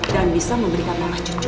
dan bisa memberikan mama cucu